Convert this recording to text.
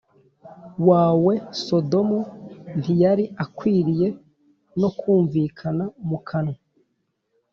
wawe Sodomu ntiyari akwiriye no kumvikana mu kanwa